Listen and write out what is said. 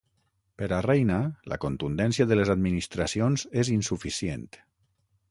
Per a Reina, la contundència de les administracions és insuficient.